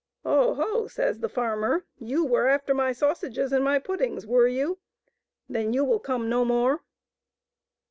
" Oho !" says the farmer, " you were after my sausages and my puddings, were you ? Then you will come no more."